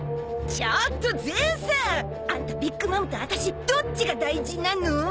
ちょっとゼウス！あんたビッグ・マムと私どっちが大事なの！？